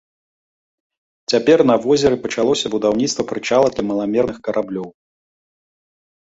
Цяпер на возеры пачалося будаўніцтва прычала для маламерных караблёў.